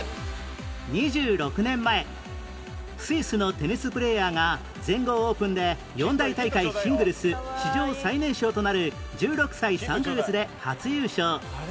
２６年前スイスのテニスプレーヤーが全豪オープンで４大大会シングルス史上最年少となる１６歳３カ月で初優勝